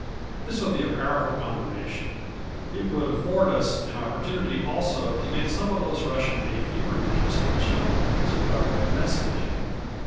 This would be a powerful combination. It would afford us an opportunity also to get some of those Russian hay fever names and chilblains by red message.